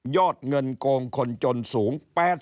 อดเงินโกงคนจนสูง๘๐